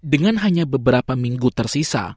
dengan hanya beberapa minggu tersisa